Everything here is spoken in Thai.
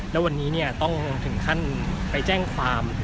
แล้ววันนี้ต้องถึงขั้นไปแจ้งความ